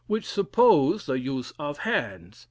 which suppose the use of hands.